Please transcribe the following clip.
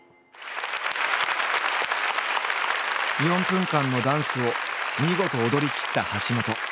４分間のダンスを見事踊りきった橋本。